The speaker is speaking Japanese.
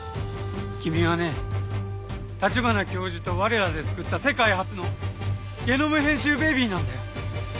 君はね立花教授と我らでつくった世界初のゲノム編集ベビーなんだよ。